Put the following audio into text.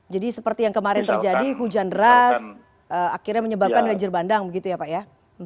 jadi seperti yang kemarin terjadi hujan deras akhirnya menyebabkan ngejir bandang begitu ya pak ya